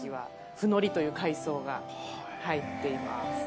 布海苔という海藻が入っています。